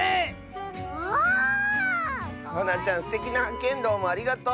すてきなはっけんどうもありがとう！